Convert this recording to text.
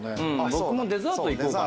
僕もデザートいこうかな。